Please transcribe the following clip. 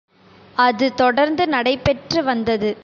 அது தொடர்ந்து நடைபெற்று வந்தது.